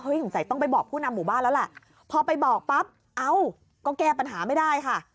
หวิ่งใจต้องไปบอกผู้นำหมู่บ้านแล้วล่ะพอไปบอกปั๊บก็แก้ปัญหาไม่ได้ค่ะ